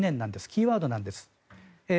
キーワードなんです。